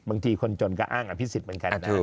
บางทีคนจนก็อ้างอภิสิตเหมือนกัน